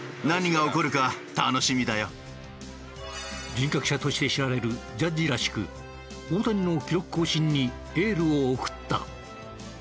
人格者として知られるジャッジらしく大谷の記録更新にエールを送った。